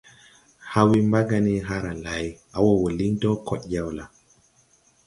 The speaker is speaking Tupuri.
Ha̧ we mbaga ne haara lay, à wɔɔ wɔ liŋ dɔɔ kɔɗ yaw la?